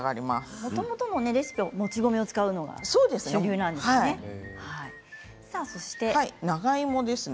もともとのレシピはもち米を使うのが主流なんですよね。